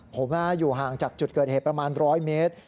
ผมอยู่ห่างจากจุดเกิดเหตุประมาณ๑๐๐เมตร